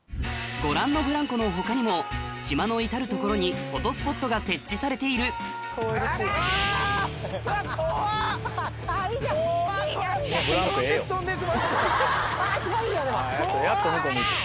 ご覧のブランコの他にも島の至る所にフォトスポットが設置されているすごいよでも。